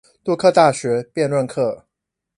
杜克大學論辯課